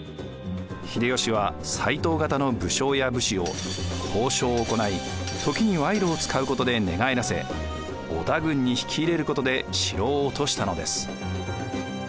秀吉は斎藤方の武将や武士を交渉を行い時に賄賂を使うことで寝返らせ織田軍に引き入れることで城を落としたのです。